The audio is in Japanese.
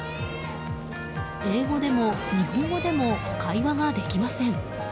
英語でも日本語でも会話ができません。